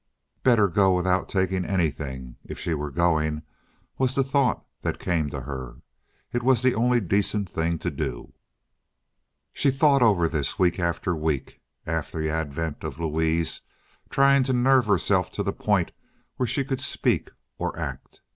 Better go without taking anything, if she were going, was the thought that came to her. It was the only decent thing to do. She thought over this week after week, after the advent of Louise, trying to nerve herself to the point where she could speak or act.